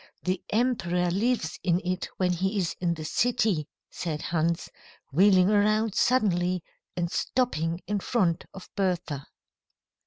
The emperor lives in it when he is in the city," said Hans, wheeling around suddenly and stopping in front of Bertha.